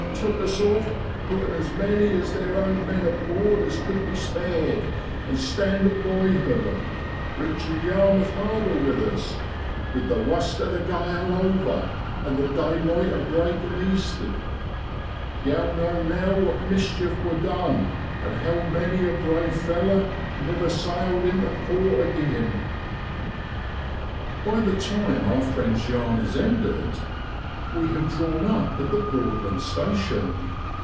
took us off, puttin' as many o' theer own men aboard as cud be spared, and standin' by her, reachin' Yar m'uth harbour with us with the wust o' the gale over, and the daylight a breaking east'ard. Yow know now what mischief wor done, and how many a brave feller niver sailed intu port agin.' By the time our friend's yarn is ended, we have drawn up at the Broadland Station.